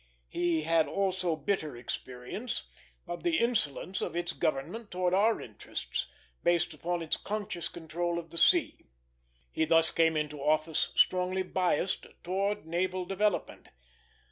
He had also bitter experience of the insolence of its government towards our interests, based upon its conscious control of the sea. He thus came into office strongly biassed towards naval development.